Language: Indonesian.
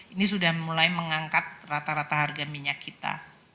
ini sudah mulai mengangkat rata rata harga minyak kita